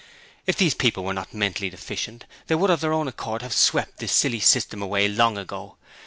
If these people were not mentally deficient they would of their own accord have swept this silly system away long ago.